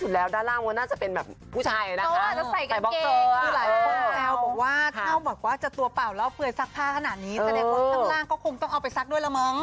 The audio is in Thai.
แสดงว่าทางล่างก็คงต้องน่าไปซักด้วยล่ะมั้ง